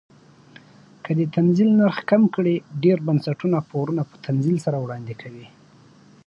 که د تنزیل نرخ کم کړي ډیر بنسټونه پورونه په تنزیل سره وړاندې کوي.